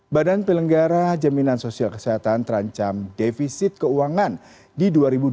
badan pelenggara jaminan sosial kesehatan terancam defisit keuangan di dua ribu dua puluh